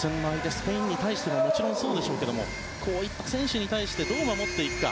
スペインに対してももちろんそうでしょうけどこういった選手に対してどう守っていくか。